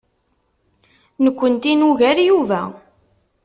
Nekkenti nugar Yuba.